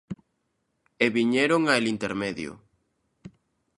E viñeron a El Intermedio.